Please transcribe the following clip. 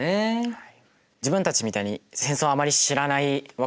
はい。